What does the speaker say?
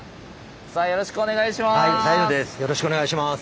さあよろしくお願いします。